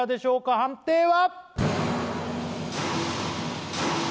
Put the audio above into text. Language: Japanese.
判定は？